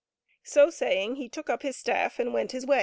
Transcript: So saying, he took up his staff and went his way.